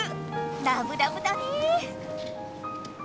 ラブラブだね！